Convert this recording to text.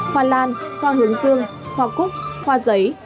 hoa lan hoa hướng dương hoa cúc hoa giấy